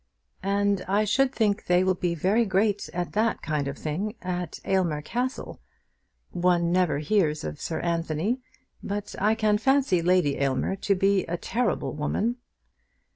"And I should think they will be great at that kind of thing at Aylmer Castle. One never hears of Sir Anthony, but I can fancy Lady Aylmer to be a terrible woman."